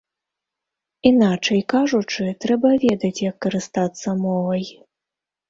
Іначай кажучы, трэба ведаць, як карыстацца мовай.